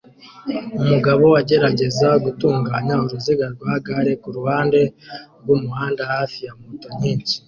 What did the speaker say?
Umugabo agerageza gutunganya uruziga rwa gare kuruhande rwumuhanda hafi ya moto nyinshi